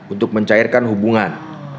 untuk mencairkan hubungan